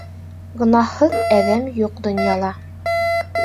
— Гонаһһыҙ әҙәм юҡ донъяла.